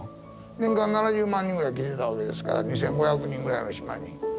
年間７０万人ぐらい来てたわけですから２，５００人ぐらいの島に。